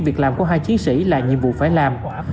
việc làm của hai chiếc xe là nhiệm vụ phải làm